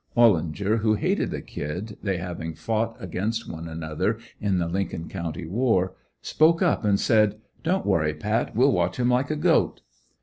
Ollinger who hated the "Kid," they having fought against one another in the Lincoln County war, spoke up and said: "Don't worry Pat, we'll watch him like a goat."